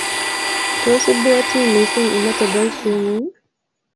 Tos ibwoti mising imete boishet ng'ung?